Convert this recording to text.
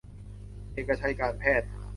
เอกชัยการแพทย์